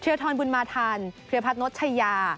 เทียร์ธรรมบุญมาธรรมศาสตร์เทียร์ภัทรโนชยา